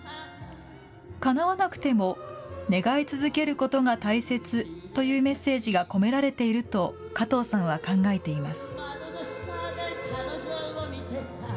かなわなくても願い続けることが大切というメッセージが込められていると加藤さんは考えています。